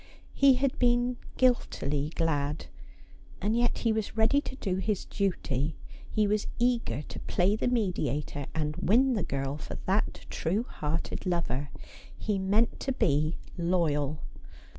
He had been guiltily glad. And yet he was ready to do his duty : he was eager to play the mediator, and win the girl for that true hearted lover. He meant to be loyal.